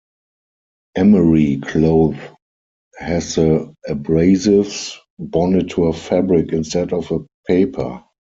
Emery cloth has the abrasives bonded to a fabric instead of a paper.